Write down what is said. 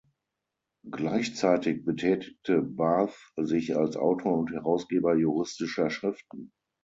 Gleichzeitig betätigte Barth sich als Autor und Herausgeber juristischer Schriften.